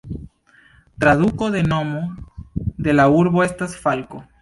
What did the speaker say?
Traduko de nomo de la urbo estas "falko".